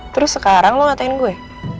terus sekarang lo ngatain gue